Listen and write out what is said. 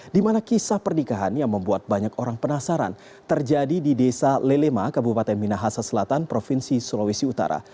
di mana kisah pernikahan yang membuat banyak orang penasaran terjadi di desa lelema kabupaten minahasa selatan provinsi sulawesi utara